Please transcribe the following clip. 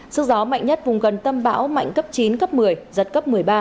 sức gió mạnh nhất vùng gần tâm bão mạnh cấp chín cấp một mươi giật cấp một mươi ba